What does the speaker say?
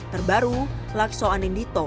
terbaru lakso anindito